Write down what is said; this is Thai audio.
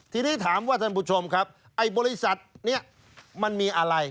ทีนี้ถามว่าท่านผู้ชมครับไอ้บริษัทนี้มันมีอะไร